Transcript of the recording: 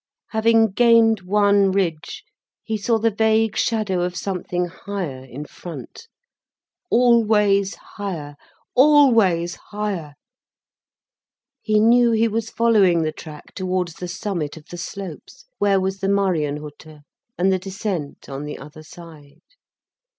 Having gained one ridge, he saw the vague shadow of something higher in front. Always higher, always higher. He knew he was following the track towards the summit of the slopes, where was the Marienhütte, and the descent on the other side.